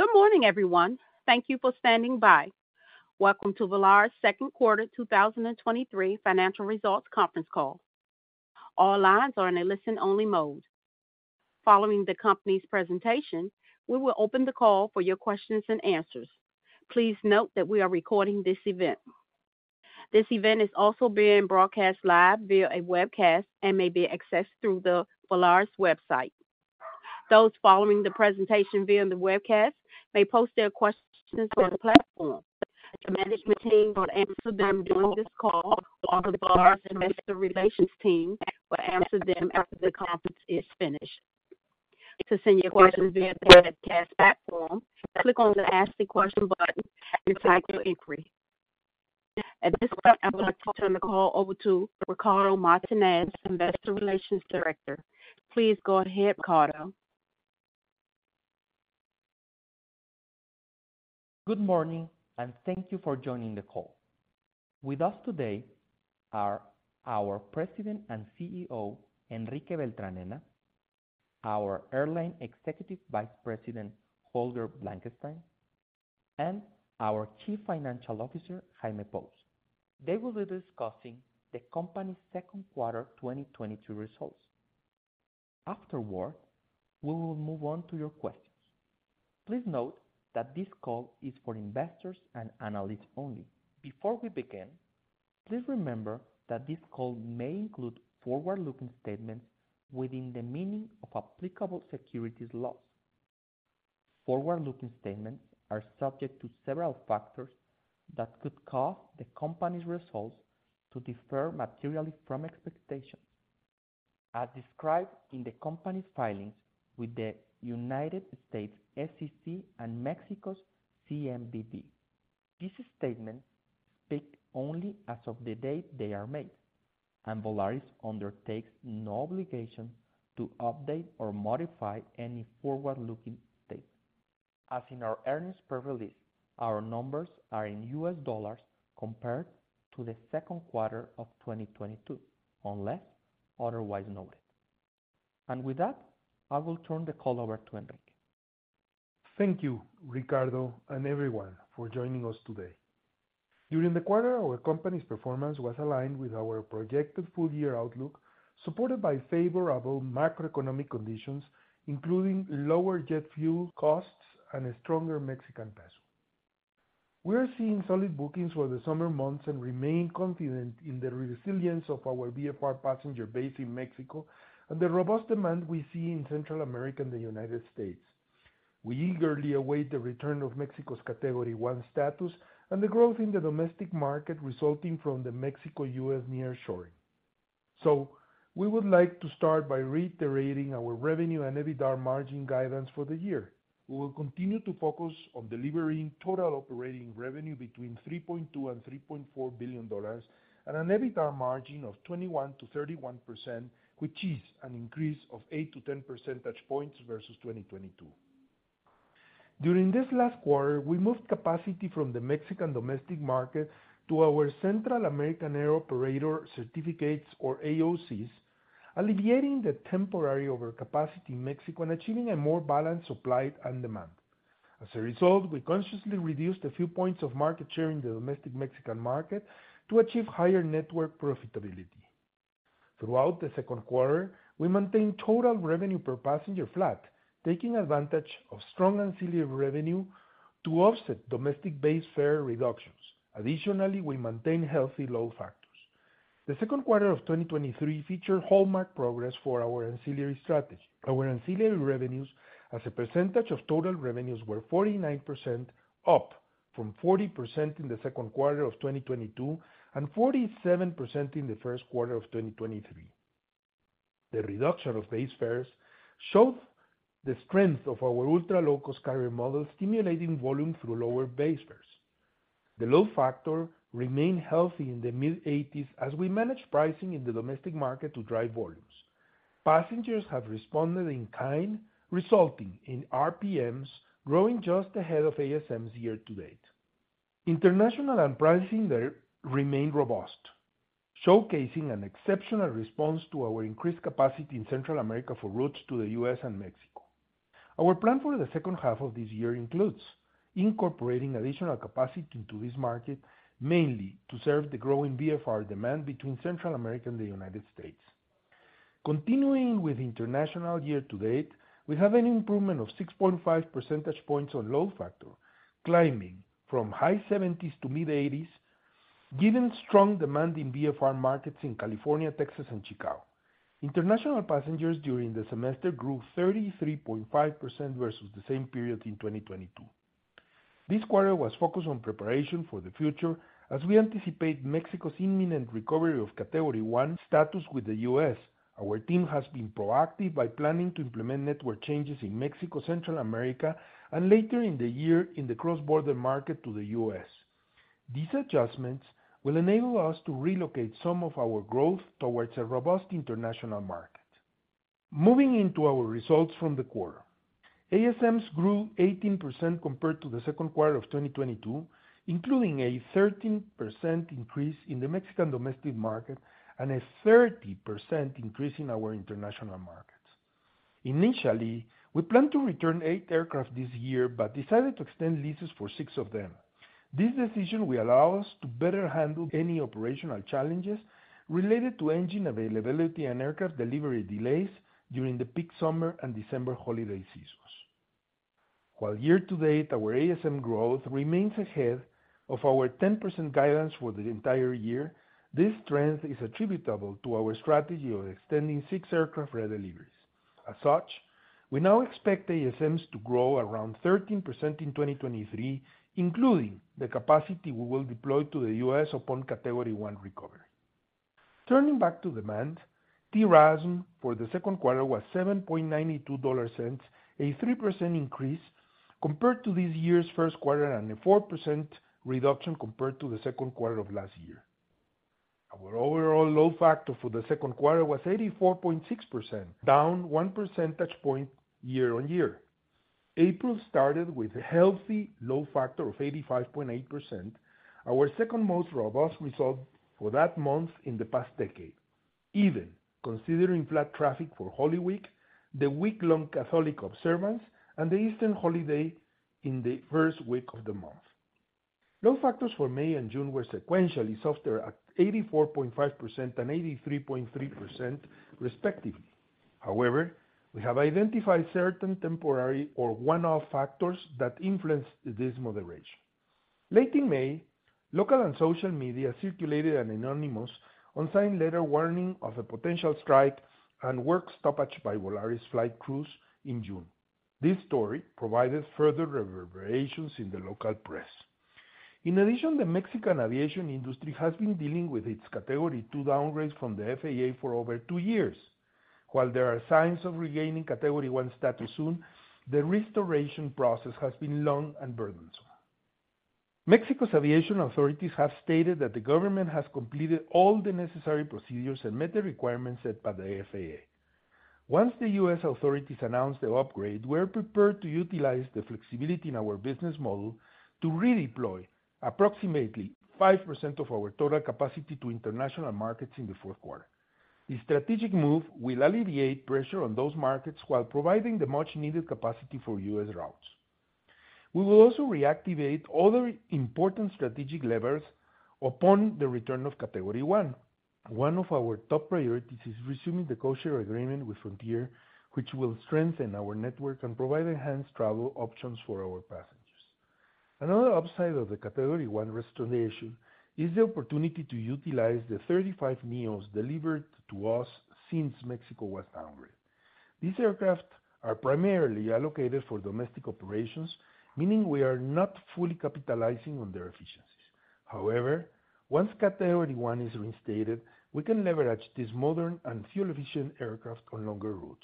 Good morning, everyone. Thank you for standing by. Welcome to Volaris' Second Quarter 2023 Financial Results Conference Call. All lines are in a listen-only mode. Following the company's presentation, we will open the call for your questions and answers. Please note that we are recording this event. This event is also being broadcast live via a webcast, and may be accessed through the Volaris website. Those following the presentation via the webcast may post their questions on the platform. The management team will answer them during this call, or the Volaris investor relations team will answer them after the conference is finished. To send your questions via the webcast platform, click on the ask the question button and type your inquiry. At this point, I would like to turn the call over to Ricardo Martinez, Investor Relations Director. Please go ahead, Ricardo. Good morning, and thank you for joining the call. With us today are our President and CEO, Enrique Beltranena, our Airline Executive Vice President, Holger Blankenstein, and our Chief Financial Officer, Jaime Pous. They will be discussing the company's second quarter 2022 results. Afterward, we will move on to your questions. Please note that this call is for investors and analysts only. Before we begin, please remember that this call may include forward-looking statements within the meaning of applicable securities laws. Forward-looking statements are subject to several factors that could cause the company's results to differ materially from expectations, as described in the company's filings with the United States SEC and Mexico's CNBV. These statements speak only as of the date they are made, and Volaris undertakes no obligation to update or modify any forward-looking statements. As in our earnings per release, our numbers are in U.S. dollars compared to the second quarter of 2022, unless otherwise noted. With that, I will turn the call over to Enrique. Thank you, Ricardo, and everyone for joining us today. During the quarter, our company's performance was aligned with our projected full-year outlook, supported by favorable macroeconomic conditions, including lower jet fuel costs and a stronger Mexican peso. We are seeing solid bookings for the summer months and remain confident in the resilience of our VFR passenger base in Mexico and the robust demand we see in Central America and the United States. We eagerly await the return of Mexico's Category 1 status and the growth in the domestic market resulting from the Mexico-U.S. nearshoring. We would like to start by reiterating our revenue and EBITDA margin guidance for the year. We will continue to focus on delivering total operating revenue between $3.2 billion-$3.4 billion, and an EBITDA margin of 21%-31%, which is an increase of 8 to 10 percentage points versus 2022. During this last quarter, we moved capacity from the Mexican domestic market to our Central American Air Operator Certificates, or AOCs, alleviating the temporary overcapacity in Mexico and achieving a more balanced supply and demand. We consciously reduced a few points of market share in the domestic Mexican market to achieve higher network profitability. Throughout the second quarter, we maintained total revenue per passenger flat, taking advantage of strong ancillary revenue to offset domestic base fare reductions. We maintained healthy load factors. The second quarter of 2023 featured hallmark progress for our ancillary strategy. Our ancillary revenues as a percentage of total revenues were 49%, up from 40% in the second quarter of 2022, and 47% in the first quarter of 2023. The reduction of base fares showed the strength of our ultra-low-cost carrier model, stimulating volume through lower base fares. The load factor remained healthy in the mid-eighties as we managed pricing in the domestic market to drive volumes. Passengers have responded in kind, resulting in RPMs growing just ahead of ASMs year to date. International and pricing there remained robust, showcasing an exceptional response to our increased capacity in Central America for routes to the U.S. and Mexico. Our plan for the second half of this year includes incorporating additional capacity into this market, mainly to serve the growing VFR demand between Central America and the United States. Continuing with international year to date, we have an improvement of 6.5 percentage points on load factor, climbing from high 70s-mid 80s, given strong demand in VFR markets in California, Texas, and Chicago. International passengers during the semester grew 33.5% versus the same period in 2022. This quarter was focused on preparation for the future as we anticipate Mexico's imminent recovery of Category 1 status with the U.S. Our team has been proactive by planning to implement network changes in Mexico, Central America, and later in the year in the cross-border market to the U.S. These adjustments will enable us to relocate some of our growth towards a robust international market. Moving into our results from the quarter. ASMs grew 18% compared to the second quarter of 2022, including a 13% increase in the Mexican domestic market and a 30% increase in our international market. Initially, we planned to return eight aircraft this year, but decided to extend leases for six of them. This decision will allow us to better handle any operational challenges related to engine availability and aircraft delivery delays during the peak summer and December holiday seasons. While year-to-date, our ASM growth remains ahead of our 10% guidance for the entire year, this trend is attributable to our strategy of extending six aircraft redeliveries. As such, we now expect ASMs to grow around 13% in 2023, including the capacity we will deploy to the U.S. upon Category 1 recovery. Turning back to demand, TRASM for the second quarter was $0.0792, a 3% increase compared to this year's first quarter, and a 4% reduction compared to the second quarter of last year. Our overall load factor for the second quarter was 84.6%, down 1 percentage point year-on-year. April started with a healthy load factor of 85.8%, our second-most robust result for that month in the past decade, even considering flat traffic for Holy Week, the week-long Catholic observance, and the Eastern holiday in the first week of the month. Load factors for May and June were sequentially softer at 84.5% and 83.3% respectively. However, we have identified certain temporary or one-off factors that influenced this moderation. Late in May, local and social media circulated an anonymous, unsigned letter warning of a potential strike and work stoppage by Volaris flight crews in June. This story provided further reverberations in the local press. In addition, the Mexican aviation industry has been dealing with its Category 2 downgrade from the FAA for over two years. While there are signs of regaining Category 1 status soon, the restoration process has been long and burdensome. Mexico's aviation authorities have stated that the government has completed all the necessary procedures and met the requirements set by the FAA. Once the U.S. authorities announce the upgrade, we are prepared to utilize the flexibility in our business model to redeploy approximately 5% of our total capacity to international markets in the fourth quarter. This strategic move will alleviate pressure on those markets while providing the much-needed capacity for U.S. routes. We will also reactivate other important strategic levers upon the return of Category 1. One of our top priorities is resuming the codeshare agreement with Frontier, which will strengthen our network and provide enhanced travel options for our passengers. Another upside of the Category 1 restoration is the opportunity to utilize the 35 NEOs delivered to us since Mexico was downgraded. These aircraft are primarily allocated for domestic operations, meaning we are not fully capitalizing on their efficiencies. Once Category 1 is reinstated, we can leverage these modern and fuel-efficient aircraft on longer routes.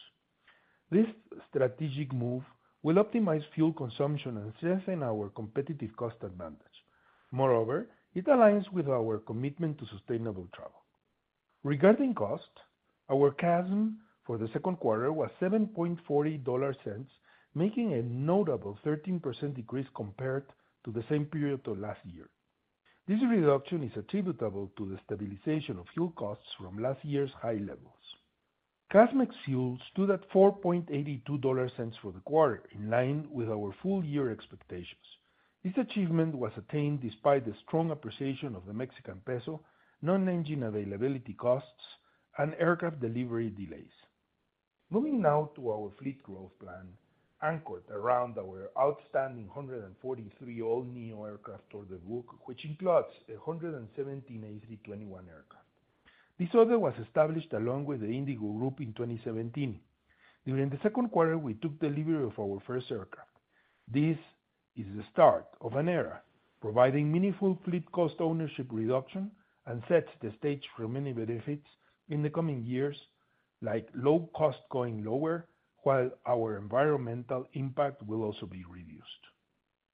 This strategic move will optimize fuel consumption and strengthen our competitive cost advantage. It aligns with our commitment to sustainable travel. Regarding cost, our CASM for the second quarter was $0.0740, making a notable 13% decrease compared to the same period of last year. This reduction is attributable to the stabilization of fuel costs from last year's high levels. CASM ex fuel stood at $0.0482 for the quarter, in line with our full year expectations. This achievement was attained despite the strong appreciation of the Mexican peso, non-engine availability costs, and aircraft delivery delays. Moving now to our fleet growth plan, anchored around our outstanding 143 all-neo aircraft order book, which includes 117 A321 aircraft. This order was established along with the Indigo Group in 2017. During the second quarter, we took delivery of our first aircraft. This is the start of an era, providing meaningful fleet cost ownership reduction, and sets the stage for many benefits in the coming years, like low cost going lower, while our environmental impact will also be reduced.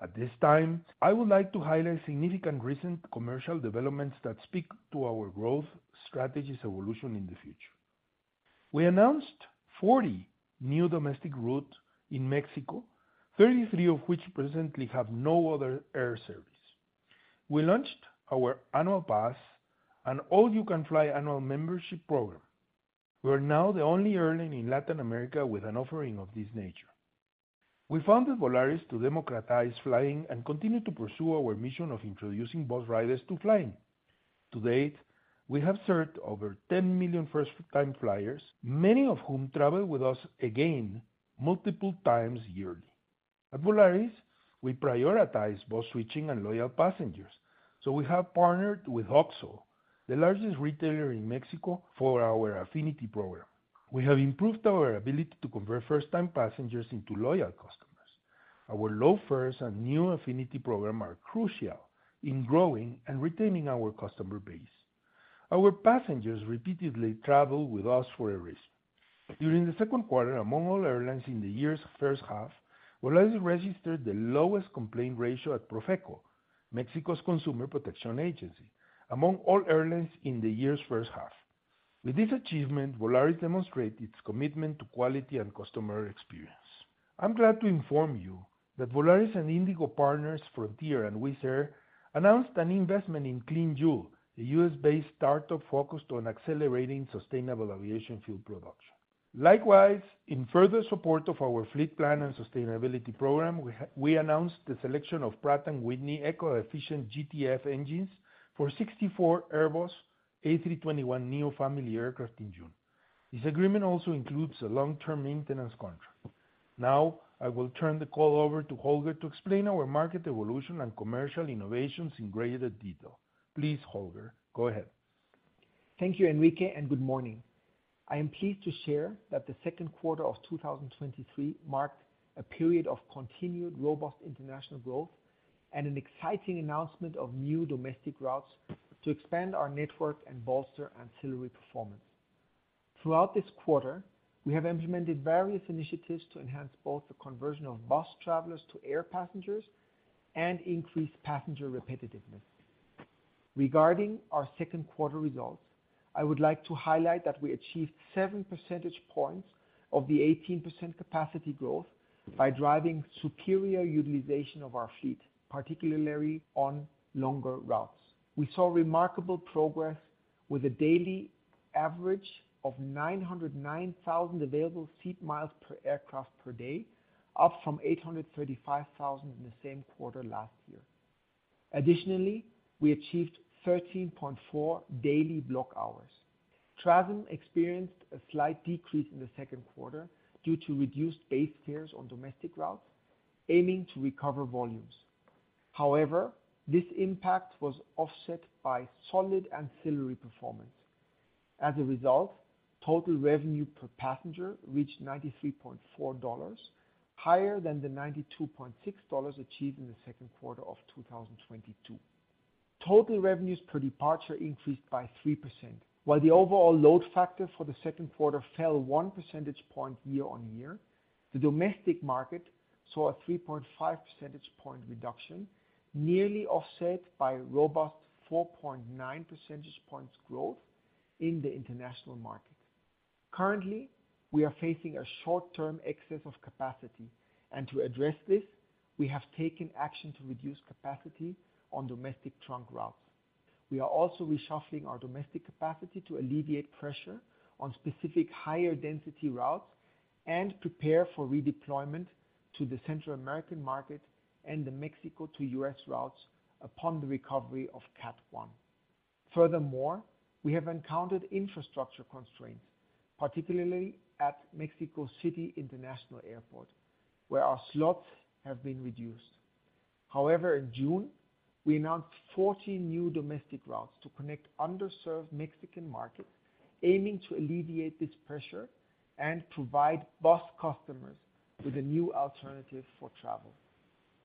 At this time, I would like to highlight significant recent commercial developments that speak to our growth strategy's evolution in the future. We announced 40 new domestic routes in Mexico, 33 of which presently have no other air service. We launched our Annual Pass, an all-you-can-fly annual membership program. We are now the only airline in Latin America with an offering of this nature. We founded Volaris to democratize flying and continue to pursue our mission of introducing bus riders to flying. To date, we have served over 10 million first-time flyers, many of whom travel with us again multiple times yearly. At Volaris, we prioritize bus switching and loyal passengers, so we have partnered with OXXO, the largest retailer in Mexico, for our affinity program. We have improved our ability to convert first-time passengers into loyal customers. Our low fares and new affinity program are crucial in growing and retaining our customer base. Our passengers repeatedly travel with us for a reason. During the second quarter, among all airlines in the year's first half, Volaris registered the lowest complaint ratio at PROFECO, Mexico's Consumer Protection Agency, among all airlines in the year's first half. With this achievement, Volaris demonstrates its commitment to quality and customer experience. I'm glad to inform you that Volaris and Indigo Partners, Frontier, and Wizz Air announced an investment in CleanJoule, a U.S.-based startup focused on accelerating sustainable aviation fuel production. Likewise, in further support of our fleet plan and sustainability program, we announced the selection of Pratt & Whitney eco-efficient GTF engines for 64 Airbus A321neo family aircraft in June. This agreement also includes a long-term maintenance contract. Now, I will turn the call over to Holger to explain our market evolution and commercial innovations in greater detail. Please, Holger, go ahead. Thank you, Enrique, and good morning. I am pleased to share that the second quarter of 2023 marked a period of continued robust international growth and an exciting announcement of new domestic routes to expand our network and bolster ancillary performance. Throughout this quarter, we have implemented various initiatives to enhance both the conversion of bus travelers to air passengers and increase passenger repetitiveness. Regarding our second quarter results, I would like to highlight that I achieved 7 percentage points of the 18% capacity growth by driving superior utilization of our fleet, particularly on longer routes. We saw remarkable progress with a daily average of 909,000 Available Seat Miles per aircraft per day, up from 835,000 in the same quarter last year. Additionally, I achieved 13.4 daily block hours. TRASM experienced a slight decrease in the second quarter due to reduced base fares on domestic routes, aiming to recover volumes. However, this impact was offset by solid ancillary performance. As a result, total revenue per passenger reached $93.4, higher than the $92.6 achieved in the second quarter of 2022. Total revenues per departure increased by 3%, while the overall load factor for the second quarter fell 1 percentage point year-on-year. The domestic market saw a 3.5 percentage point reduction, nearly offset by robust 4.9 percentage points growth in the international market. Currently, we are facing a short-term excess of capacity, and to address this, we have taken action to reduce capacity on domestic trunk routes. We are also reshuffling our domestic capacity to alleviate pressure on specific higher density routes and prepare for redeployment to the Central American market and the Mexico to U.S. routes upon the recovery of Category 1. We have encountered infrastructure constraints, particularly at Mexico City International Airport, where our slots have been reduced. In June, we announced 14 new domestic routes to connect underserved Mexican markets, aiming to alleviate this pressure and provide bus customers with a new alternative for travel.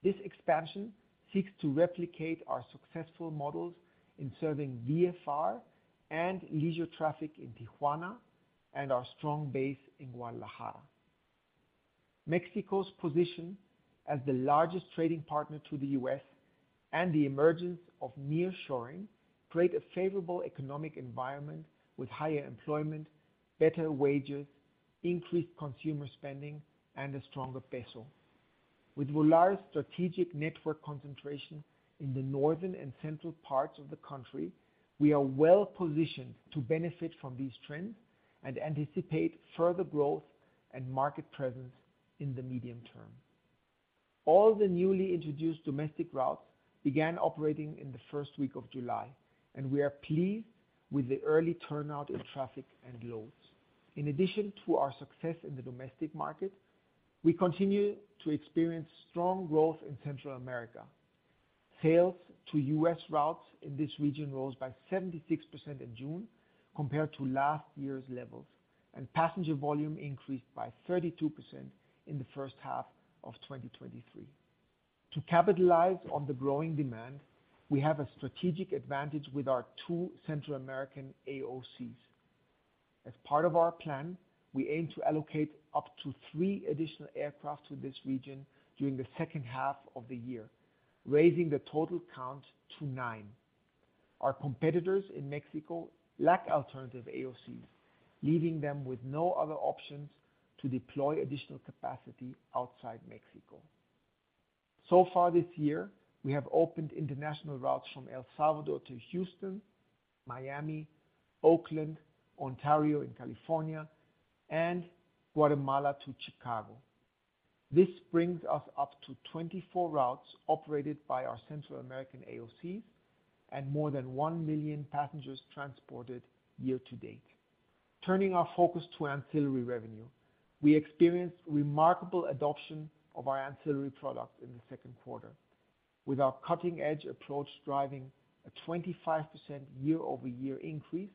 This expansion seeks to replicate our successful models in serving VFR and leisure traffic in Tijuana and our strong base in Guadalajara. Mexico's position as the largest trading partner to the U.S. and the emergence of nearshoring, create a favorable economic environment with higher employment, better wages, increased consumer spending, and a stronger peso. With Volaris' strategic network concentration in the northern and central parts of the country, we are well-positioned to benefit from these trends and anticipate further growth and market presence in the medium term. All the newly introduced domestic routes began operating in the first week of July, and we are pleased with the early turnout in traffic and loads. In addition to our success in the domestic market, we continue to experience strong growth in Central America. Sales to U.S. routes in this region rose by 76% in June compared to last year's levels, and passenger volume increased by 32% in the first half of 2023. To capitalize on the growing demand, we have a strategic advantage with our two Central American AOCs. As part of our plan, we aim to allocate up to three additional aircraft to this region during the second half of the year, raising the total count to 9. Our competitors in Mexico lack alternative AOCs, leaving them with no other options to deploy additional capacity outside Mexico. Far this year, we have opened international routes from El Salvador to Houston, Miami, Oakland, Ontario, and California, and Guatemala to Chicago. This brings us up to 24 routes operated by our Central American AOCs, and more than 1 million passengers transported year to date. Turning our focus to ancillary revenue, we experienced remarkable adoption of our ancillary products in the second quarter, with our cutting-edge approach driving a 25% year-over-year increase,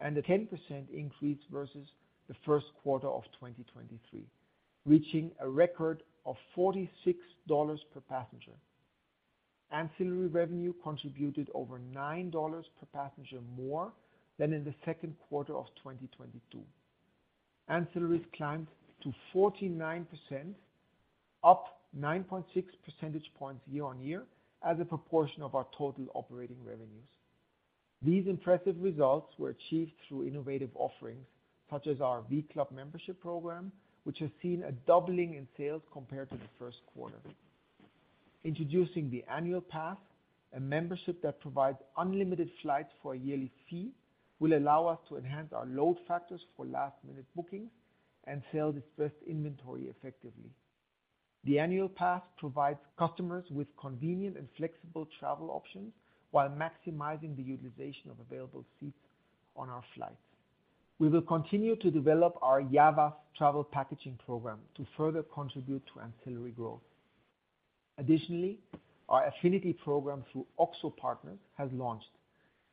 and a 10% increase versus the first quarter of 2023, reaching a record of $46 per passenger. Ancillary revenue contributed over $9 per passenger more than in the second quarter of 2022. Ancillaries climbed to 49%, up 9.6 percentage points year-on-year, as a proportion of our total operating revenues. These impressive results were achieved through innovative offerings, such as our v.club membership program, which has seen a doubling in sales compared to the first quarter. Introducing the Annual Pass, a membership that provides unlimited flights for a yearly fee, will allow us to enhance our load factors for last-minute bookings and sell dispersed inventory effectively. The Annual Pass provides customers with convenient and flexible travel options, while maximizing the utilization of available seats on our flights. We will continue to develop our YA VAS travel packaging program to further contribute to ancillary growth. Additionally, our affinity program through OXXO Partners has launched,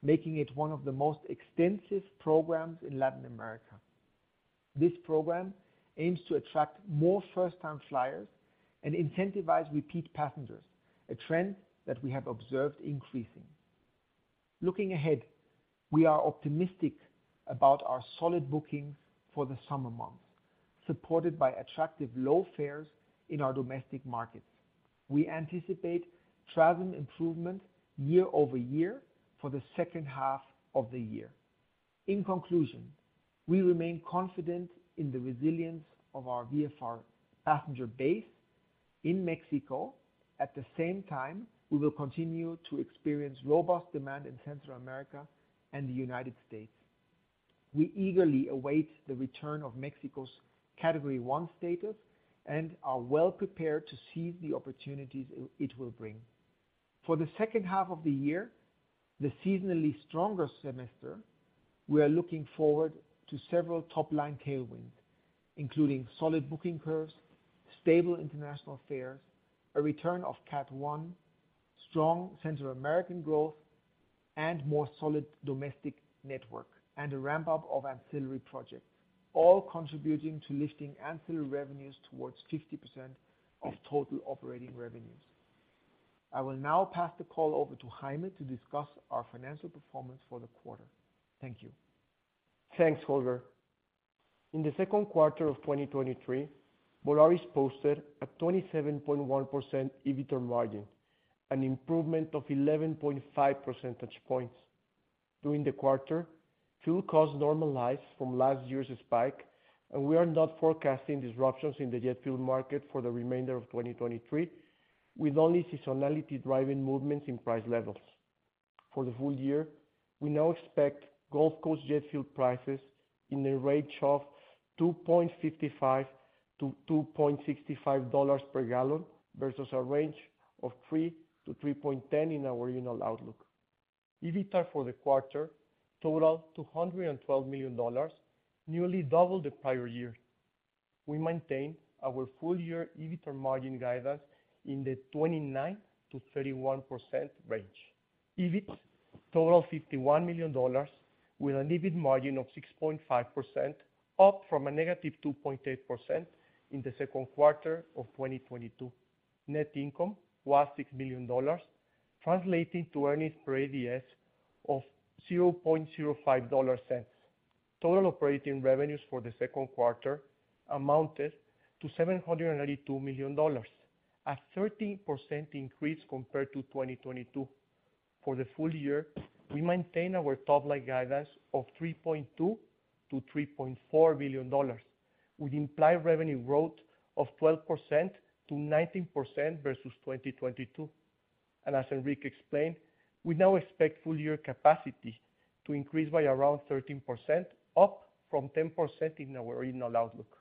making it one of the most extensive programs in Latin America. This program aims to attract more first-time flyers and incentivize repeat passengers, a trend that we have observed increasing. Looking ahead, we are optimistic about our solid bookings for the summer months, supported by attractive low fares in our domestic markets. We anticipate travel improvement year-over-year for the second half of the year. In conclusion, we remain confident in the resilience of our VFR passenger base in Mexico. At the same time, we will continue to experience robust demand in Central America and the United States. We eagerly await the return of Mexico's Category 1 status, and are well-prepared to seize the opportunities it will bring. For the second half of the year, the seasonally stronger semester, we are looking forward to several top-line tailwind, including solid booking curves, stable international fares, a return of Category 1, strong Central American growth, and more solid domestic network, and a ramp-up of ancillary projects, all contributing to lifting ancillary revenues towards 50% of total operating revenues. I will now pass the call over to Jaime to discuss our financial performance for the quarter. Thank you. Thanks, Holger. In the second quarter of 2023, Volaris posted a 27.1% EBITDAR margin, an improvement of 11.5 percentage points. During the quarter, fuel costs normalized from last year's spike, and we are not forecasting disruptions in the jet fuel market for the remainder of 2023, with only seasonality driving movements in price levels. For the full year, we now expect Gulf Coast jet fuel prices in the range of $2.55-$2.65 per gallon, versus a range of $3.00-$3.10 in our original outlook. EBITDAR for the quarter totaled $212 million, nearly double the prior year. We maintain our full-year EBITDAR margin guidance in the 29%-31% range. EBIT total $51 million, with an EBIT margin of 6.5%, up from a -2.8% in the second quarter of 2022. Net income was $6 million, translating to earnings per ADS of $0.05. Total operating revenues for the second quarter amounted to $792 million, a 13% increase compared to 2022. For the full year, we maintain our top-line guidance of $3.2 billion-$3.4 billion, with implied revenue growth of 12%-19% versus 2022. As Enrique explained, we now expect full-year capacity to increase by around 13%, up from 10% in our original outlook.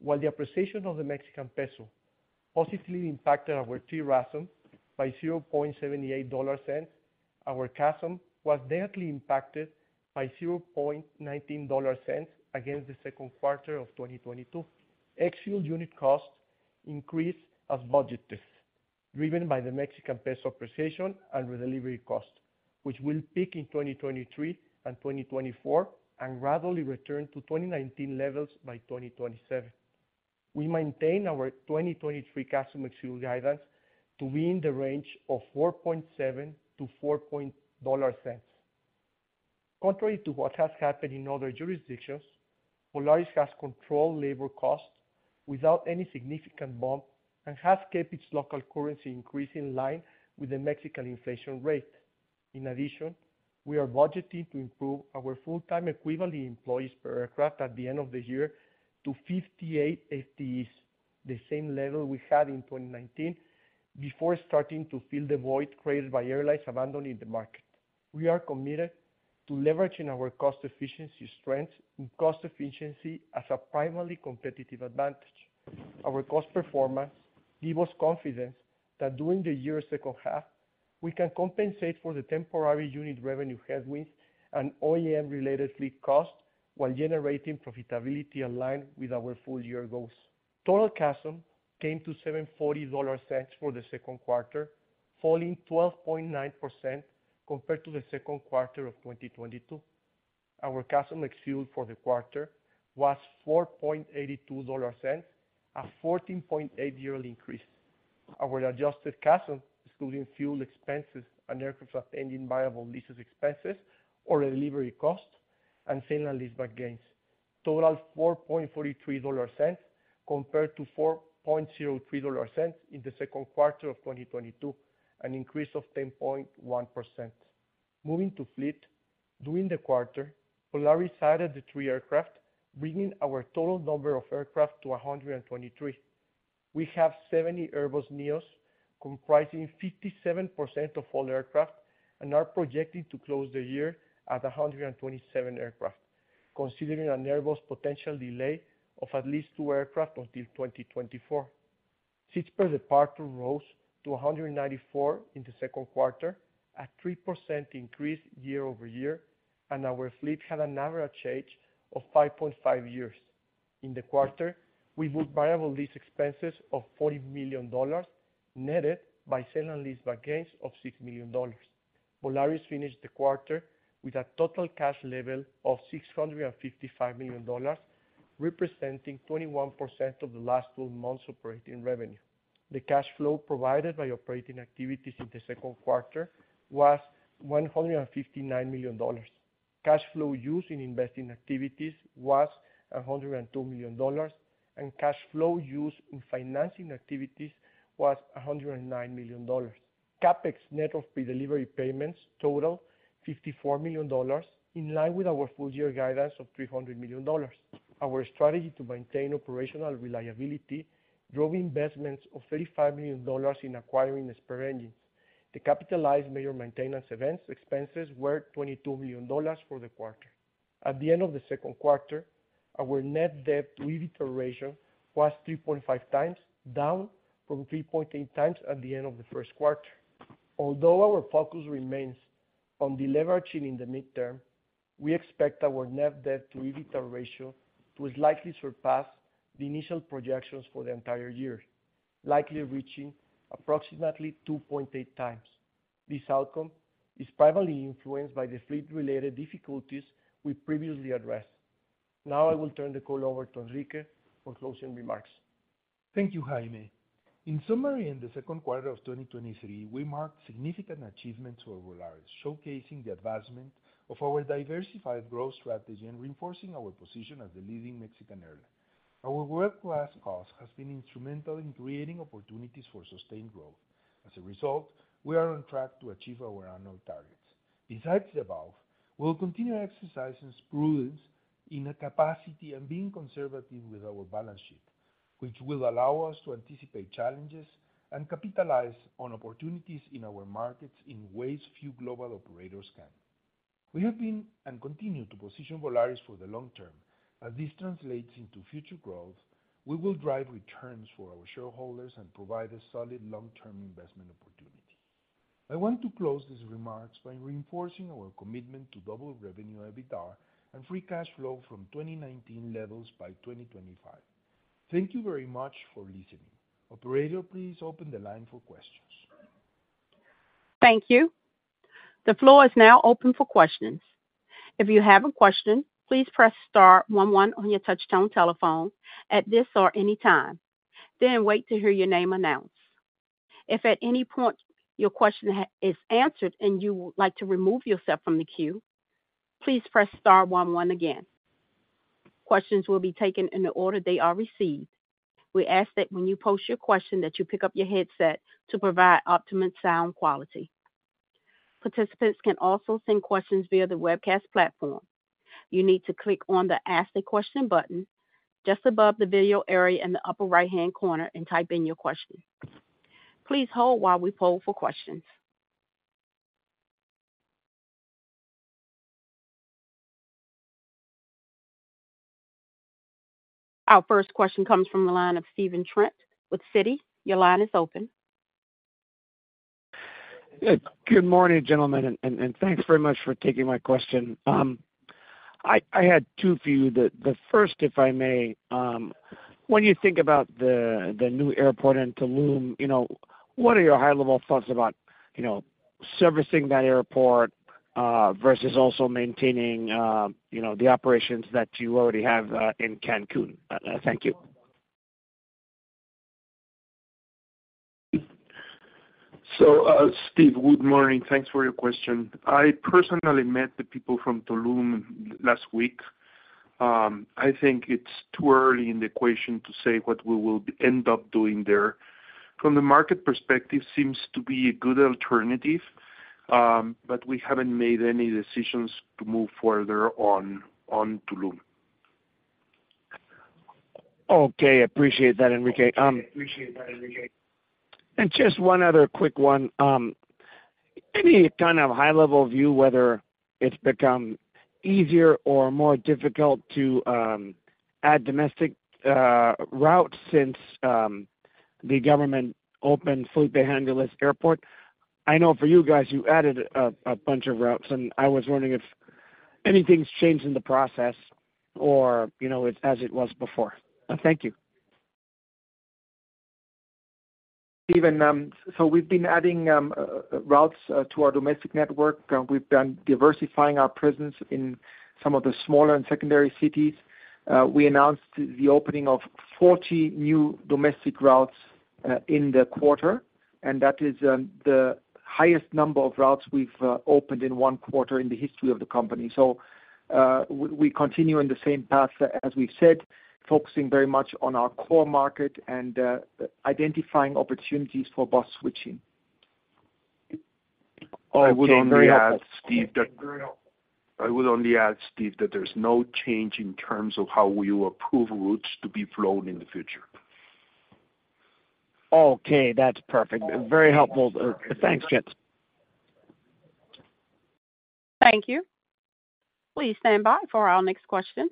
While the appreciation of the Mexican peso positively impacted our TRASM by $0.78, our CASM was directly impacted by $0.19 against the second quarter of 2022. Ex-fuel unit cost increased as budget driven by the Mexican peso appreciation and delivery cost, which will peak in 2023 and 2024, and gradually return to 2019 levels by 2027. We maintain our 2023 CASM ex-fuel guidance to be in the range of $0.047-$0.040. Contrary to what has happened in other jurisdictions, Volaris has controlled labor costs without any significant bump, and has kept its local currency increase in line with the Mexican inflation rate. In addition, we are budgeting to improve our full-time equivalent employees per aircraft at the end of the year to 58 FTEs, the same level we had in 2019, before starting to fill the void created by airlines abandoning the market. We are committed to leveraging our cost efficiency, strength, and cost efficiency as a primarily competitive advantage. Our cost performance give us confidence that during the year's second half, we can compensate for the temporary unit revenue headwinds and OEM-related fleet costs, while generating profitability aligned with our full year goals. Total CASM came to $0.0740 for the second quarter, falling 12.9% compared to the second quarter of 2022. Our CASM ex-fuel for the quarter was $0.0482, a 14.8% yearly increase. Our adjusted CASM, excluding fuel expenses and aircraft engine variable leases expenses or delivery costs and sale and leaseback gains... total $0.0443, compared to $0.0403 in the second quarter of 2022, an increase of 10.1%. Moving to fleet. During the quarter, Volaris added the three aircraft, bringing our total number of aircraft to 123. We have 70 Airbus NEOs, comprising 57% of all aircraft, and are projecting to close the year at 127 aircraft, considering an Airbus potential delay of at least two aircraft until 2024. Seats per departure rose to 194 in the second quarter, a 3% increase year-over-year, and our fleet had an average age of 5.5 years. In the quarter, we booked variable lease expenses of $40 million, netted by sale and lease gains of $6 million. Volaris finished the quarter with a total cash level of $655 million, representing 21% of the last 12 months operating revenue. The cash flow provided by operating activities in the second quarter was $159 million. Cash flow used in investing activities was $102 million, and cash flow used in financing activities was $109 million. CapEx, net of pre-delivery payments, totaled $54 million, in line with our full year guidance of $300 million. Our strategy to maintain operational reliability drove investments of $35 million in acquiring the spare engines. The capitalized major maintenance events expenses were $22 million for the quarter. At the end of the second quarter, our net debt to EBITDA ratio was 3.5x, down from 3.8x at the end of the first quarter. Although our focus remains on deleveraging in the midterm, we expect our net debt to EBITDA ratio to likely surpass the initial projections for the entire year, likely reaching approximately 2.8x. This outcome is primarily influenced by the fleet-related difficulties we previously addressed. Now I will turn the call over to Enrique for closing remarks. Thank you, Jaime. In summary, in the second quarter of 2023, we marked significant achievements for Volaris, showcasing the advancement of our diversified growth strategy and reinforcing our position as the leading Mexican airline. Our world-class cost has been instrumental in creating opportunities for sustained growth. As a result, we are on track to achieve our annual targets. Besides the above, we'll continue exercising prudence in a capacity and being conservative with our balance sheet, which will allow us to anticipate challenges and capitalize on opportunities in our markets in ways few global operators can. We have been, and continue to position Volaris for the long term. As this translates into future growth, we will drive returns for our shareholders and provide a solid long-term investment opportunity. I want to close these remarks by reinforcing our commitment to double revenue, EBITDA, and free cash flow from 2019 levels by 2025. Thank you very much for listening. Operator, please open the line for questions. Thank you. The floor is now open for questions. If you have a question, please press star one one on your touchtone telephone at this or any time, then wait to hear your name announced. If at any point your question is answered and you would like to remove yourself from the queue, please press star one one again. Questions will be taken in the order they are received. We ask that when you post your question, that you pick up your headset to provide optimum sound quality. Participants can also send questions via the webcast platform. You need to click on the Ask a question button, just above the video area in the upper right-hand corner and type in your question. Please hold while we poll for questions. Our first question comes from the line of Stephen Trent with Citi. Your line is open. Good morning, gentlemen, and thanks very much for taking my question. I had two for you. The first, if I may, when you think about the new airport in Tulum, you know, what are your high-level thoughts about, you know, servicing that airport versus also maintaining, you know, the operations that you already have in Cancun? Thank you. Steve, good morning. Thanks for your question. I personally met the people from Tulum last week. I think it's too early in the equation to say what we will end up doing there. From the market perspective, seems to be a good alternative, but we haven't made any decisions to move further on Tulum. Okay, appreciate that, Enrique. Just one other quick one. Any kind of high-level view, whether it's become easier or more difficult to add domestic routes since the government opened Felipe Angeles Airport? I know for you guys, you added a bunch of routes, and I was wondering if anything's changed in the process or, you know, it's as it was before. Thank you. Stephen, we've been adding routes to our domestic network. We've been diversifying our presence in some of the smaller and secondary cities. We announced the opening of 40 new domestic routes in the quarter.... that is, the highest number of routes we've opened in one quarter in the history of the company. We continue in the same path as we've said, focusing very much on our core market and identifying opportunities for bus switching. I would only add, Steve, that. I would only add, Steve, that there's no change in terms of how we will approve routes to be flown in the future. Okay, that's perfect. Very helpful. Thanks, gents. Thank you. Please stand by for our next question.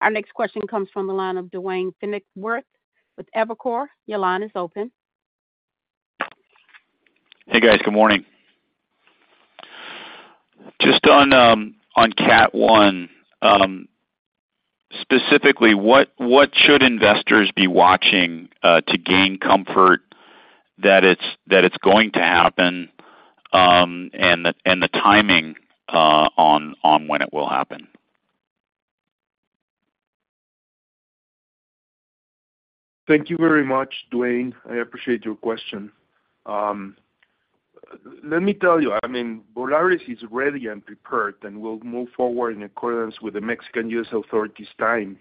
Our next question comes from the line of Duane Pfennigwerth with Evercore. Your line is open. Hey, guys, good morning. Just on CAT 1, specifically, what should investors be watching to gain comfort that it's going to happen, and the timing on when it will happen? Thank you very much, Duane. I appreciate your question. Let me tell you, I mean, Volaris is ready and prepared, we'll move forward in accordance with the Mexican U.S. authorities time.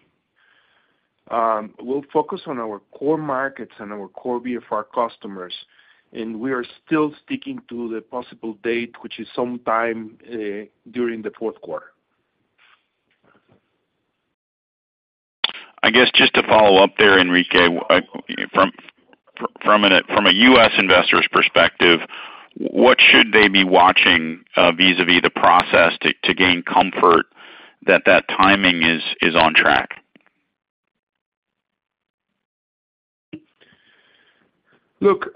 We'll focus on our core markets and our core VFR customers, we are still sticking to the possible date, which is sometime during the fourth quarter. I guess just to follow up there, Enrique, from a U.S. investor's perspective, what should they be watching vis-à-vis the process to gain comfort that timing is on track? Look,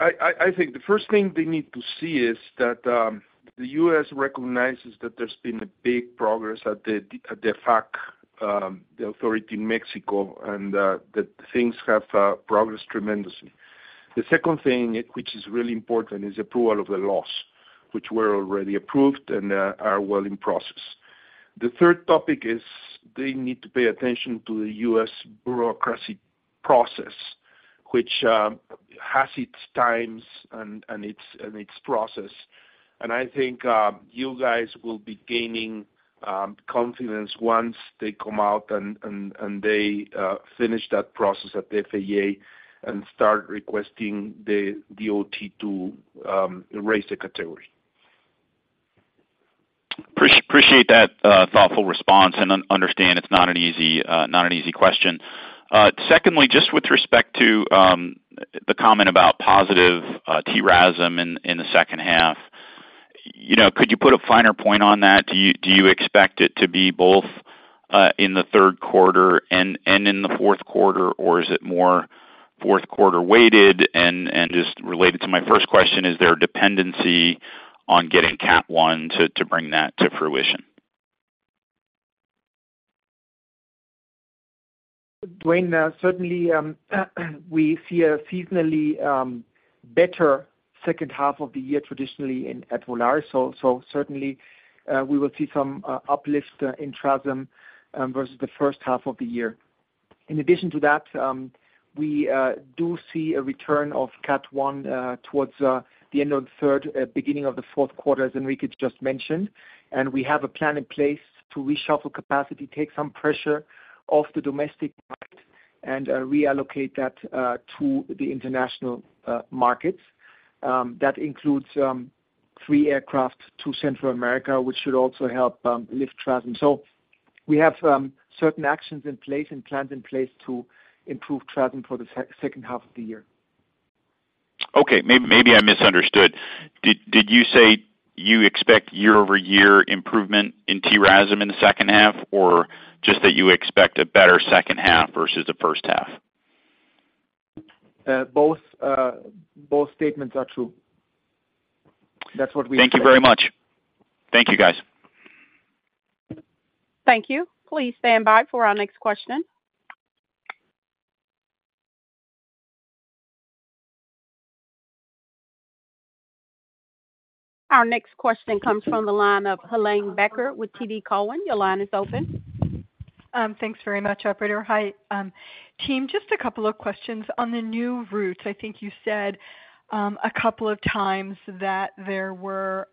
I think the first thing they need to see is that the U.S. recognizes that there's been a big progress at the AFAC, the authority in Mexico, and that things have progressed tremendously. The second thing, which is really important, is approval of the laws, which were already approved and are well in process. The third topic is they need to pay attention to the U.S. bureaucracy process, which has its times and its process. I think you guys will be gaining confidence once they come out and they finish that process at the FAA and start requesting the DOT to erase the category. Appreciate that thoughtful response and understand it's not an easy, not an easy question. Secondly, just with respect to the comment about positive TRASM in the second half, you know, could you put a finer point on that? Do you, do you expect it to be both in the third quarter and in the fourth quarter, or is it more fourth quarter weighted? Just related to my first question, is there a dependency on getting CAT 1 to bring that to fruition? Duane, certainly, we see a seasonally better second half of the year, traditionally in, at Volaris. Certainly, we will see some uplift in TRASM versus the first half of the year. In addition to that, we do see a return of CAT 1 towards the end of the third, beginning of the fourth quarter, as Enrique just mentioned. We have a plan in place to reshuffle capacity, take some pressure off the domestic market, and reallocate that to the international markets. That includes 3 aircraft to Central America, which should also help lift TRASM. We have certain actions in place and plans in place to improve TRASM for the second half of the year. Okay, maybe I misunderstood. Did you say you expect year-over-year improvement in TRASM in the second half, or just that you expect a better second half versus the first half? Both statements are true. That's what we-. Thank you very much. Thank you, guys. Thank you. Please stand by for our next question. Our next question comes from the line of Helane Becker with TD Cowen. Your line is open. Thanks very much, operator. Hi, team. Just a couple of questions on the new routes. I think you said a couple of times that there were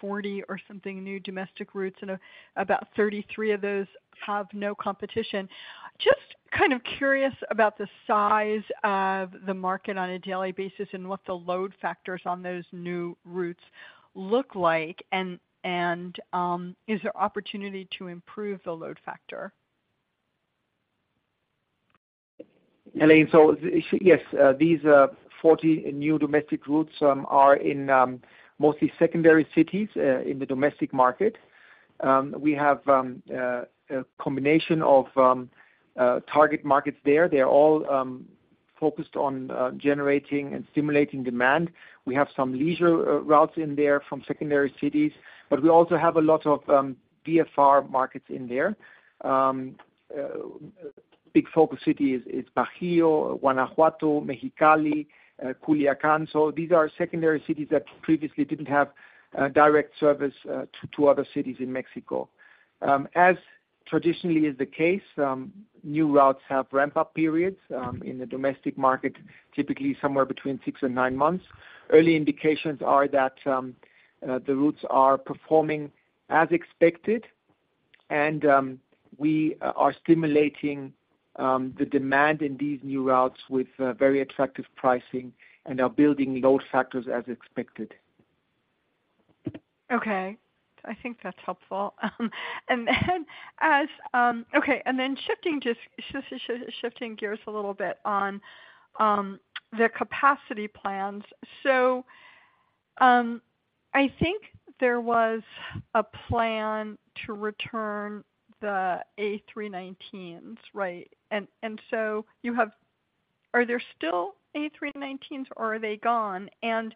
40 or something new domestic routes, and about 33 of those have no competition. Just kind of curious about the size of the market on a daily basis and what the load factors on those new routes look like, and is there opportunity to improve the load factor? Helane, yes, these 40 new domestic routes are in mostly secondary cities in the domestic market. We have a combination of target markets there. They're all focused on generating and stimulating demand. We have some leisure routes in there from secondary cities, but we also have a lot of VFR markets in there. Big focus city is Bajio, Guanajuato, Mexicali, Culiacán. These are secondary cities that previously didn't have direct service to other cities in Mexico. As traditionally is the case, new routes have ramp-up periods in the domestic market, typically somewhere between 6 and 9 months. Early indications are that the routes are performing as expected, and we are stimulating the demand in these new routes with very attractive pricing and are building load factors as expected. I think that's helpful. As, okay, shifting just shifting gears a little bit on the capacity plans. I think there was a plan to return the A319s, right? Are there still A319s, or are they gone? As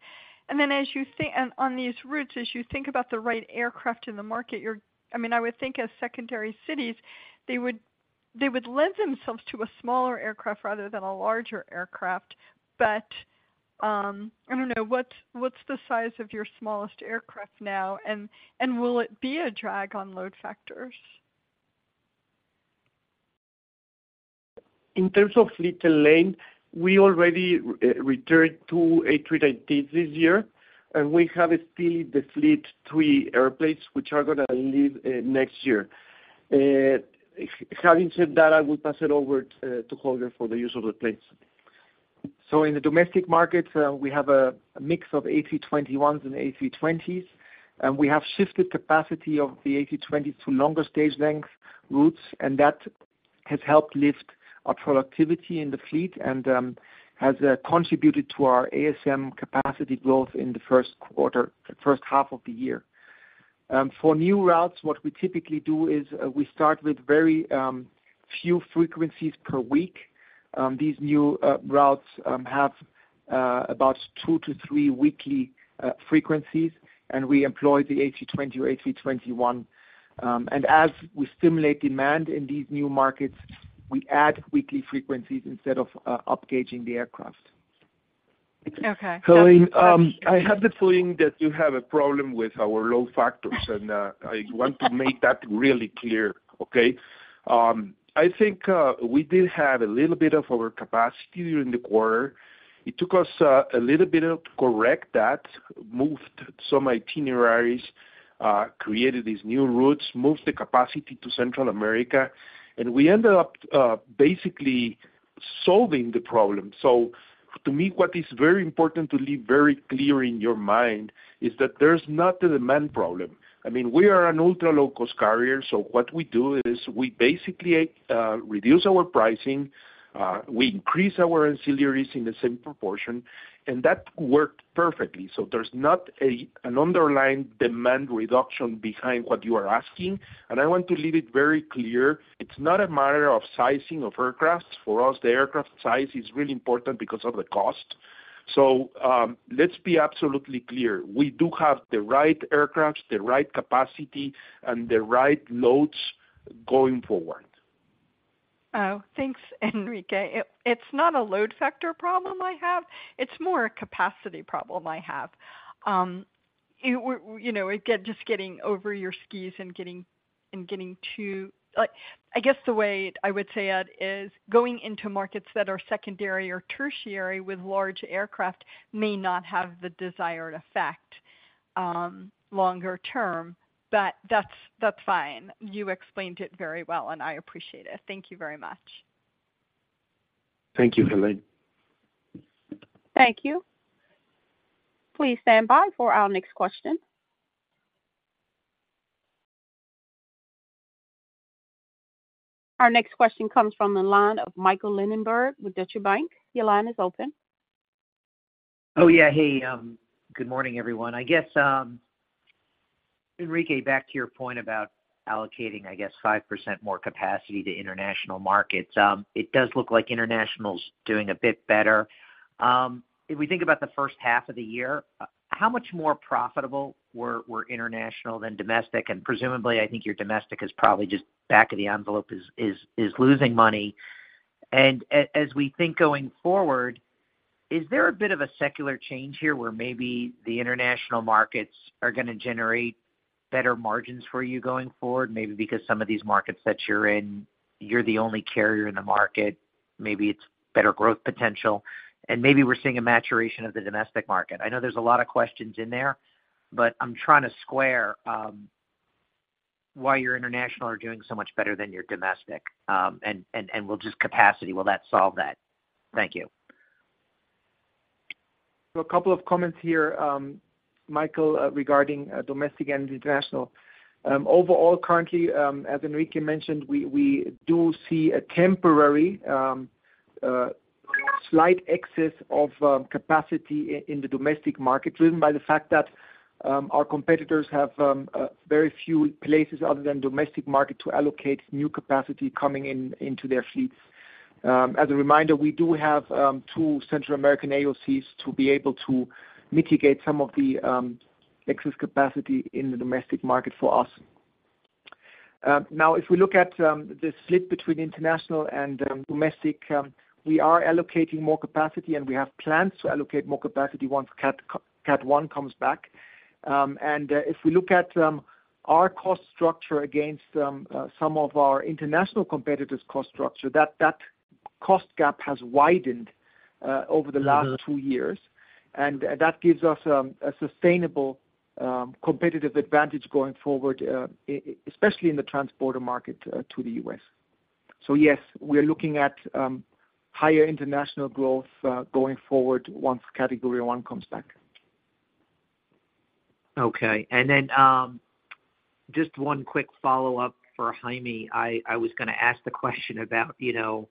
you think, on these routes, as you think about the right aircraft in the market, I mean, I would think as secondary cities, they would lend themselves to a smaller aircraft rather than a larger aircraft. I don't know, what's the size of your smallest aircraft now? Will it be a drag on load factors? In terms of fleet and lane, we already returned two A319s this year, and we have still the fleet three airplanes, which are gonna leave next year. Having said that, I will pass it over to Holger for the use of the planes. In the domestic market, we have a mix of A321s and A320s, and we have shifted capacity of the A320 to longer stage length routes, and that has helped lift our productivity in the fleet and has contributed to our ASM capacity growth in the first quarter, the first half of the year. For new routes, what we typically do is, we start with very few frequencies per week. These new routes have about two to three weekly frequencies, and we employ the A320 or A321. As we stimulate demand in these new markets, we add weekly frequencies instead of up gauging the aircraft. Okay. Helene, I have the feeling that you have a problem with our load factors, I want to make that really clear, okay? I think we did have a little bit of overcapacity during the quarter. It took us a little bit of correct that, moved some itineraries, created these new routes, moved the capacity to Central America, and we ended up basically solving the problem. To me, what is very important to leave very clear in your mind, is that there's not a demand problem. I mean, we are an ultra-low-cost carrier, so what we do is we basically reduce our pricing, we increase our ancillaries in the same proportion, and that worked perfectly. There's not an underlying demand reduction behind what you are asking, and I want to leave it very clear. It's not a matter of sizing of aircraft. For us, the aircraft size is really important because of the cost. Let's be absolutely clear. We do have the right aircraft, the right capacity, and the right loads going forward. Thanks, Enrique. It's not a load factor problem I have, it's more a capacity problem I have. You know, just getting over your skis. Like, I guess the way I would say it is, going into markets that are secondary or tertiary with large aircraft may not have the desired effect longer term. That's fine. You explained it very well, and I appreciate it. Thank you very much. Thank you, Helane. Thank you. Please stand by for our next question. Our next question comes from the line of Michael Linenberg with Deutsche Bank. Your line is open. Oh, yeah. Hey, good morning, everyone. I guess, Enrique, back to your point about allocating, I guess, 5% more capacity to international markets. It does look like international's doing a bit better. If we think about the first half of the year, how much more profitable were international than domestic? Presumably, I think your domestic is probably just back of the envelope, is losing money. As we think going forward, is there a bit of a secular change here, where maybe the international markets are gonna generate better margins for you going forward? Maybe because some of these markets that you're in, you're the only carrier in the market, maybe it's better growth potential, and maybe we're seeing a maturation of the domestic market. I know there's a lot of questions in there, but I'm trying to square, why your international are doing so much better than your domestic. Will just capacity, will that solve that? Thank you. A couple of comments here, Michael Linenberg, regarding domestic and international. Overall, currently, as Enrique Beltranena mentioned, we do see a temporary slight excess of capacity in the domestic market, driven by the fact that our competitors have a very few places other than domestic market to allocate new capacity coming into their fleets. As a reminder, we do have two Central American AOCs to be able to mitigate some of the excess capacity in the domestic market for us. Now, if we look at the split between international and domestic, we are allocating more capacity, and we have plans to allocate more capacity once Category 1 comes back. If we look at our cost structure against some of our international competitors' cost structure, that cost gap has widened over the-. Mm-hmm. -last two years, and that gives us a sustainable competitive advantage going forward, especially in the transborder market, to the U.S. Yes, we are looking at higher international growth going forward once Category 1 comes back. Okay. Then, just one quick follow-up for Jaime. I was gonna ask the question about, you know,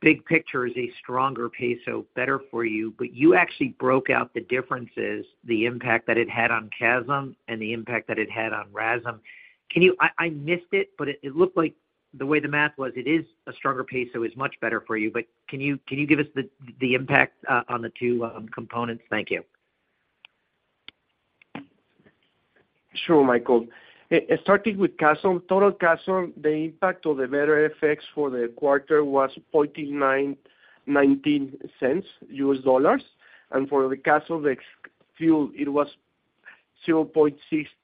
big picture, is a stronger peso better for you? You actually broke out the differences, the impact that it had on CASM and the impact that it had on RASM. I missed it, but it looked like the way the math was, it is a stronger peso is much better for you. Can you give us the impact on the two components? Thank you. Sure, Michael. Starting with CASM, total CASM, the impact of the better effects for the quarter was $0.19, and for the CASM, the fuel, it was $0.16.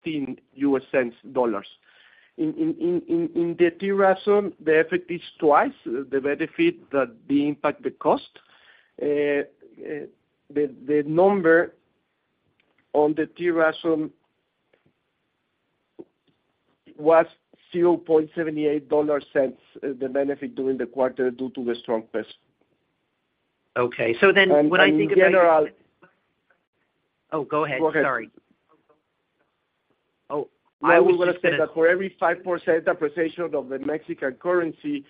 In the TRASM, the effect is twice the benefit that the impact, the cost. The number on the TRASM was $0.78, the benefit during the quarter due to the strong peso. Okay. What I think about- In general. Oh, go ahead. Go ahead. Sorry. Oh, I was just. I was gonna say that for every 5% depreciation of the Mexican currency,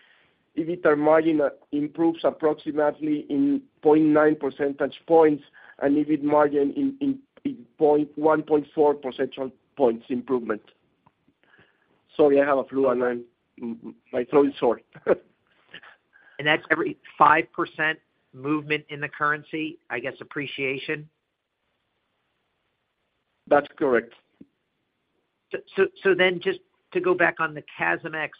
EBITDAR margin improves approximately in 0.9 percentage points, and EBIT margin 1.4 percentage points improvement. Sorry, I have a flu, and my throat is sore. That's every 5% movement in the currency, I guess, appreciation? That's correct. Just to go back on the CASM-ex,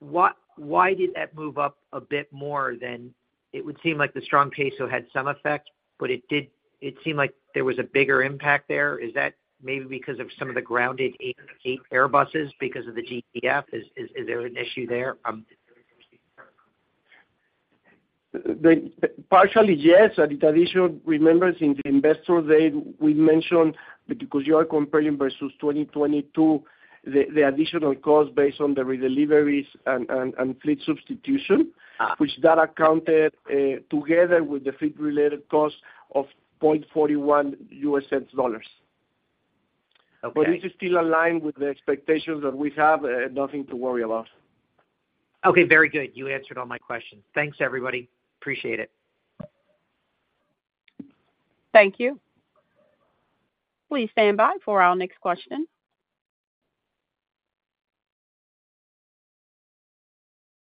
why did that move up a bit more than? It would seem like the strong peso had some effect, but it did, it seemed like there was a bigger impact there. Is that maybe because of some of the grounded A- 8 Airbuses because of the GTF? Is there an issue there? The, partially, yes. The traditional, remember, in the Investor Day, we mentioned because you are comparing versus 2022, the additional cost based on the redeliveries and fleet substitution- Ah. which that accounted, together with the fleet-related cost of $0.41. Okay. This is still aligned with the expectations that we have. Nothing to worry about. Okay, very good. You answered all my questions. Thanks, everybody. Appreciate it. Thank you. Please stand by for our next question.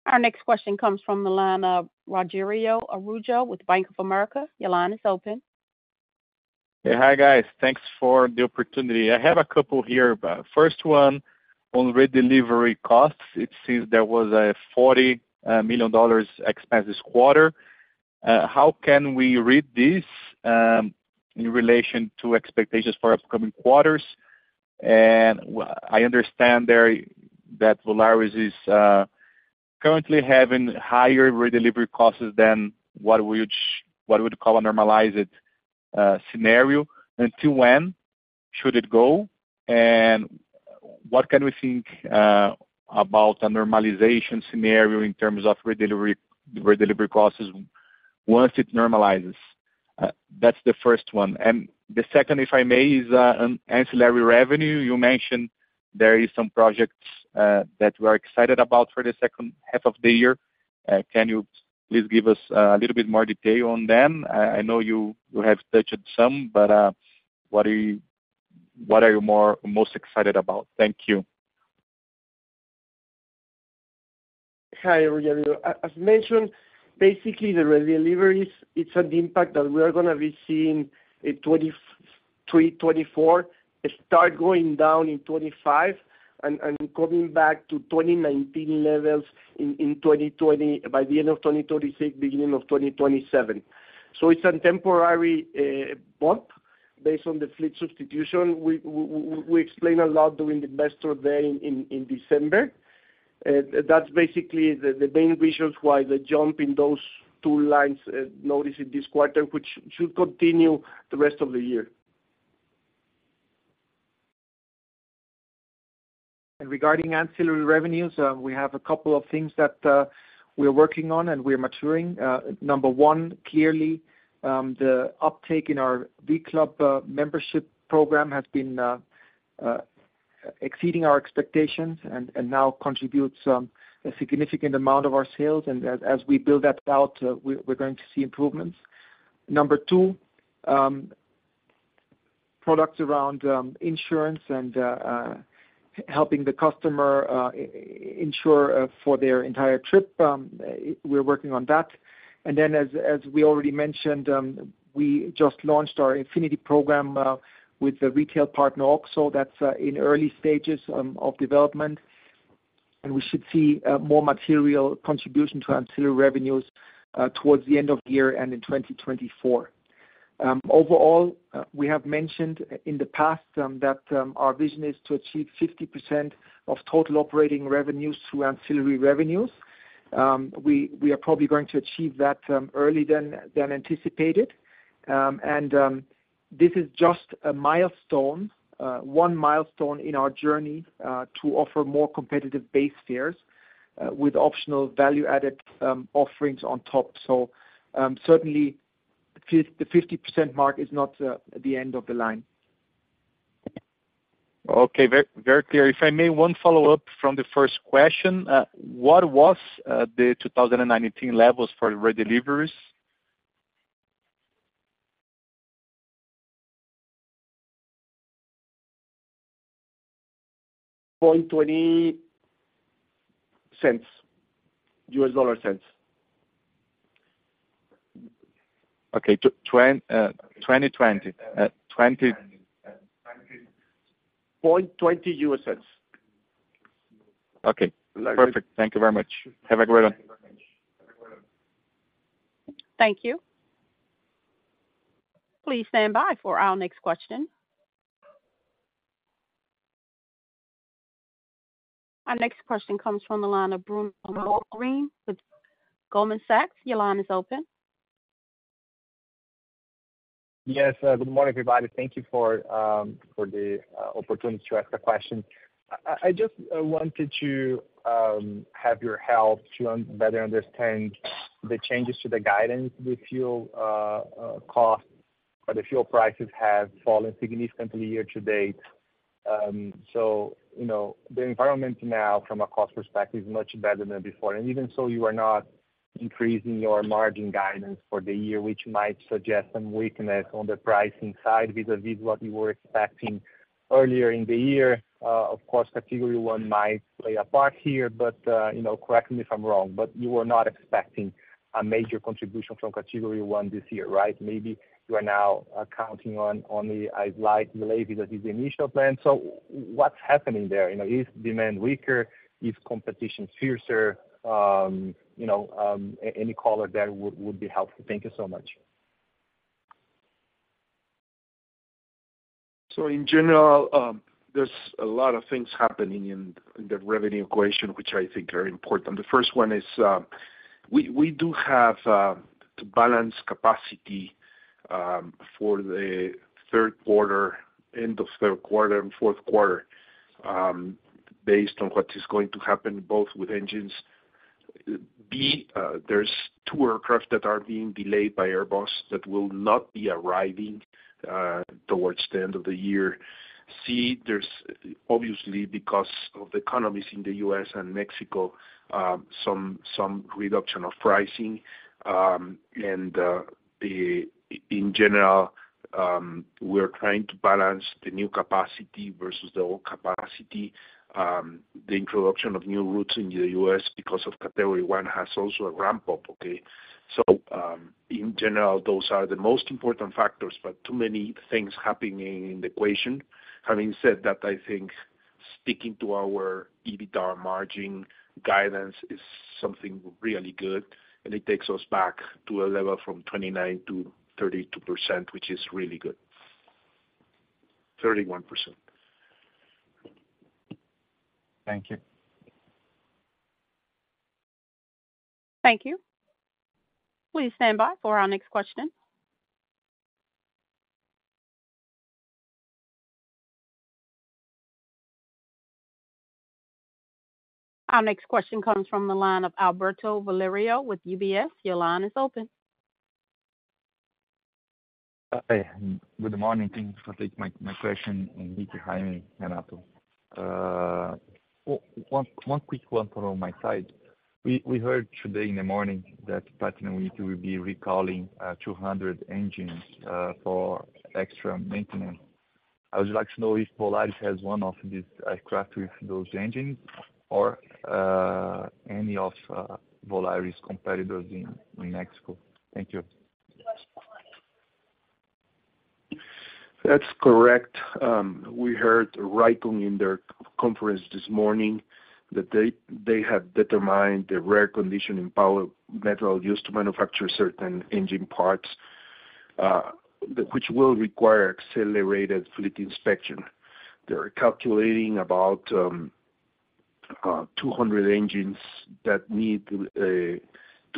Our next question comes from the line of Rogerio Araujo with Bank of America. Your line is open. Hey. Hi, guys. Thanks for the opportunity. I have a couple here. First one, on redelivery costs, it seems there was a $40 million expense this quarter. How can we read this in relation to expectations for upcoming quarters? I understand there that Volaris is currently having higher redelivery costs than what we would call a normalized scenario. Until when should it go, and what can we think about a normalization scenario in terms of redelivery costs once it normalizes? That's the first one. The second, if I may, is on ancillary revenue. You mentioned there is some projects that we are excited about for the second half of the year. Can you please give us a little bit more detail on them? I know you have touched some, but what are you most excited about? Thank you. Hi, Rogerio. As mentioned, basically the redeliveries, it's an impact that we are going to be seeing in 2023, 2024. It start going down in 2025 and coming back to 2019 levels in 2020, by the end of 2026, beginning of 2027. It's a temporary bump based on the fleet substitution. We explain a lot during the Investor Day in December. That's basically the main reasons why the jump in those two lines noticed in this quarter, which should continue the rest of the year. Regarding ancillary revenues, we have a couple of things that we are working on and we are maturing. Number one, clearly, the uptake in our V.Club membership program has been exceeding our expectations and now contributes a significant amount of our sales. As we build that out, we're going to see improvements. Number two.... products around insurance and helping the customer ensure for their entire trip, we're working on that. As we already mentioned, we just launched our Infinity program with the retail partner, OXXO, that's in early stages of development, and we should see more material contribution to ancillary revenues towards the end of the year and in 2024. Overall, we have mentioned in the past that our vision is to achieve 50% of total operating revenues through ancillary revenues. We are probably going to achieve that early than anticipated. This is just a milestone, one milestone in our journey to offer more competitive base fares with optional value-added offerings on top. Certainly, the 50% mark is not the end of the line. Okay, very, very clear. If I may, one follow-up from the first question. What was the 2019 levels for re-deliveries? $0.20, US dollar cents. Okay. 20. $0.20. Okay. Perfect. Thank you very much. Have a great one. Thank you. Please stand by for our next question. Our next question comes from the line of Bruno Amorim with Goldman Sachs. Your line is open. Yes, good morning, everybody. Thank you for the opportunity to ask a question. I just wanted to have your help to better understand the changes to the guidance with fuel costs, or the fuel prices have fallen significantly year to date. You know, the environment now from a cost perspective is much better than before, and even so you are not increasing your margin guidance for the year, which might suggest some weakness on the pricing side vis-a-vis what you were expecting earlier in the year. Of course, Category 1 might play a part here, but, you know, correct me if I'm wrong, but you were not expecting a major contribution from Category 1 this year, right? Maybe you are now accounting on only a slight delay vis-a-vis the initial plan. What's happening there? You know, is demand weaker? Is competition fiercer? You know, any color there would be helpful. Thank you so much. In general, there's a lot of things happening in the revenue equation, which I think are important. The first one is, we do have to balance capacity for the third quarter, end of third quarter and fourth quarter, based on what is going to happen both with engines. B, there's two aircraft that are being delayed by Airbus that will not be arriving towards the end of the year. C, there's obviously, because of the economies in the U.S. and Mexico, some reduction of pricing. In general, we are trying to balance the new capacity versus the old capacity. The introduction of new routes in the U.S. because of Category 1 has also a ramp-up, okay? In general, those are the most important factors, but too many things happening in the equation. Having said that, I think sticking to our EBITDAR margin guidance is something really good, and it takes us back to a level from 29%-32%, which is really good. 31%. Thank you. Thank you. Please stand by for our next question. Our next question comes from the line of Alberto Valerio with UBS. Your line is open. Hey, good morning. Thanks for taking my question, and good morning, Renato. One quick one from my side. We heard today in the morning that Pratt & Whitney will be recalling 200 engines for extra maintenance. I would like to know if Volaris has one of these aircraft with those engines or any of Volaris competitors in Mexico? Thank you. That's correct. We heard right on in their conference this morning that they have determined the rare condition in power metal used to manufacture certain engine parts, which will require accelerated fleet inspection. They are calculating about 200 engines that need to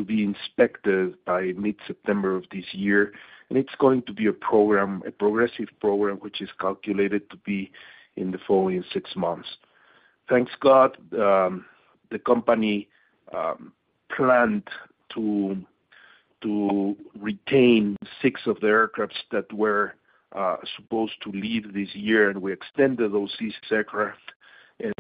be inspected by mid-September of this year. It's going to be a program, a progressive program, which is calculated to be in the following six months. Thanks God, the company planned to retain six of the aircrafts that were supposed to leave this year. We extended those six aircraft.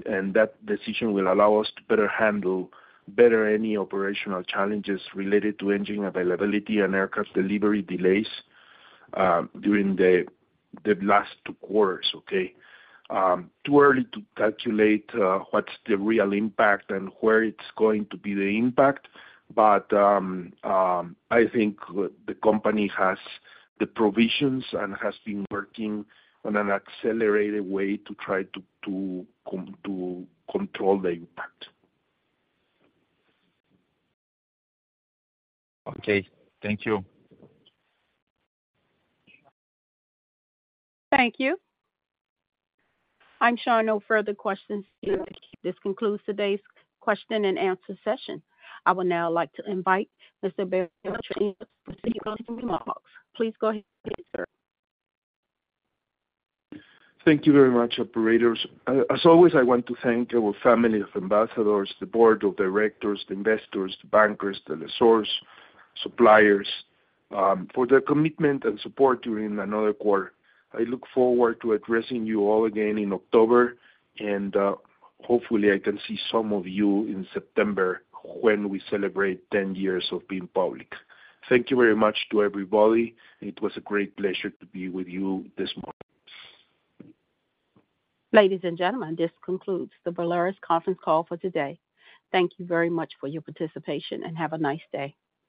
That decision will allow us to better handle any operational challenges related to engine availability and aircraft delivery delays during the last two quarters, okay? Too early to calculate, what's the real impact and where it's going to be the impact, but, I think the company has the provisions and has been working on an accelerated way to try to control the impact. Okay. Thank you. Thank you. I'm showing no further questions. This concludes today's question and answer session. I would now like to invite Mr. Beltranena to proceed with his remarks. Please go ahead, sir. Thank you very much, operators. as always, I want to thank our family of ambassadors, the board of directors, the investors, the bankers, the lessors, suppliers, for their commitment and support during another quarter. I look forward to addressing you all again in October, and, hopefully, I can see some of you in September when we celebrate 10 years of being public. Thank you very much to everybody. It was a great pleasure to be with you this morning. Ladies and gentlemen, this concludes the Volaris conference call for today. Thank you very much for your participation, and have a nice day.